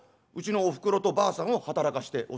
うちのおふくろとばあさんを働かして」。